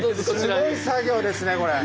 すごい作業ですねこれ！